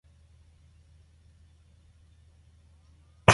Weather forecasting uses initial condition ensembles.